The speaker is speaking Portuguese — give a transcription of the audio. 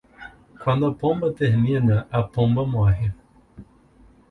Quando a pomba termina, a pomba morre.